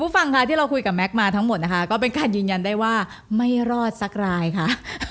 ฟังค่ะที่เราคุยกับแม็กซ์มาทั้งหมดนะคะก็เป็นการยืนยันได้ว่าไม่รอดสักรายค่ะ